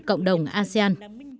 cộng đồng asean